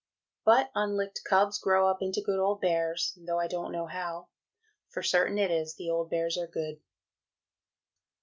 But unlicked Cubs grow up into good old Bears, tho' I don't know how; for certain it is the old Bears are good.